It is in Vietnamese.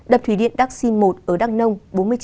đập thủy điện đắc sinh một ở đăng nông